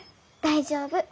大丈夫。